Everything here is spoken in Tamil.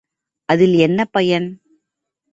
அதில் என்ன பயன்?